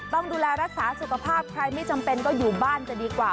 ต้องดูแลรักษาสุขภาพใครไม่จำเป็นก็อยู่บ้านจะดีกว่า